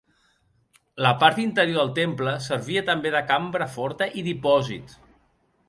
La part interior del temple servia també de cambra forta i dipòsit.